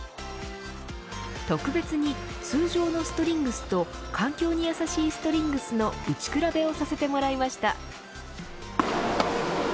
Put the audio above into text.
特別に通常のストリングスと環境に優しいストリングスの打ち比べをさせてもらいました。